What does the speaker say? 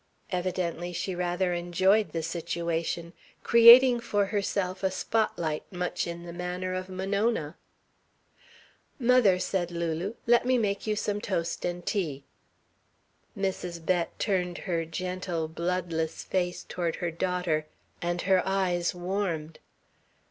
Evidently she rather enjoyed the situation, creating for herself a spot light much in the manner of Monona. "Mother," said Lulu, "let me make you some toast and tea." Mrs. Bett turned her gentle, bloodless face toward her daughter, and her eyes warmed.